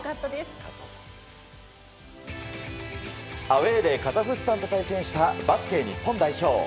アウェーでカザフスタンと対戦したバスケ日本代表。